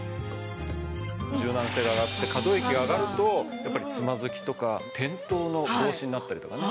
柔軟性が上がって可動域が上がるとやっぱりつまずきとか転倒の防止になったりとかね。